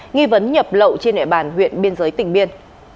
nghi vấn nhập lậu trên địa bàn huyện biên giới tỉnh biên